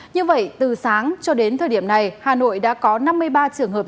như vậy từ sáng cho đến thời điểm này hà nội đã có năm mươi ba trường hợp